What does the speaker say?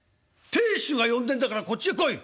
「亭主が呼んでんだからこっちへ来い！」。